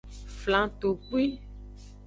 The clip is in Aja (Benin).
Flangtokpui.